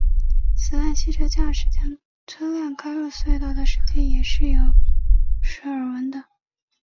此外汽车驾驶将车辆开入隧道的事件也时有耳闻。